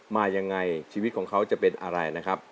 มายังไงชีวิตของเขาจะเป็นอะไร